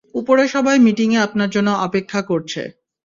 উপরে সবাই মিটিংয়ে আপনার জন্য অপেক্ষা করছে।